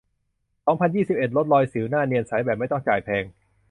สองพันยี่สิบเอ็ด ลดรอยสิว หน้าเนียนใส แบบไม่ต้องจ่ายแพง